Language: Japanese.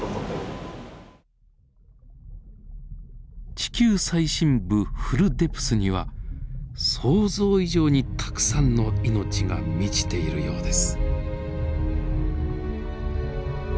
地球最深部フルデプスには想像以上にたくさんの命が満ちているようです。